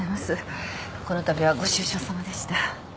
このたびはご愁傷さまでした。